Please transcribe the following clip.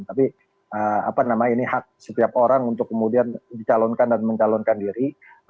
tapi apa namanya ini hak setiap orang untuk kemudian dicalonkan dan mencalonkan diri